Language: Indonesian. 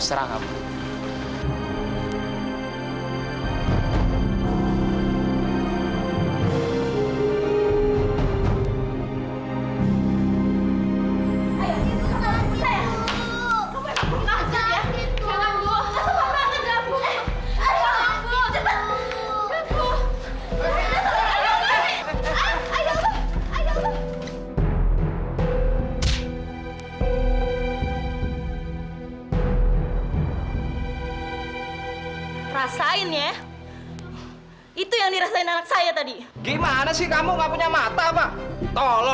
sekarang kalau kamu mau ketemu dewi